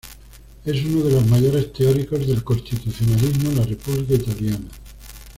Es uno de los mayores teóricos del constitucionalismo en la República Italia.